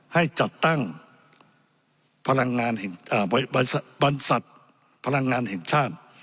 ให้จัดตั้งพลังงานบรรษัทพลังงานแห่งชาติ